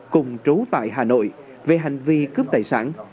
cùng trú tại hà nội về hành vi cướp tài sản